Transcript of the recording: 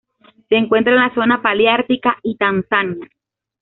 Se encuentra en la zona paleártica y Tanzania.